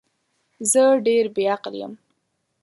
زه ډیر بی عقل یم